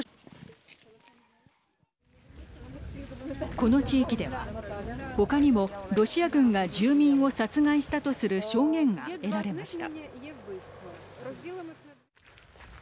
この地域では他にもロシア軍が住民を殺害したとする証言が得られました。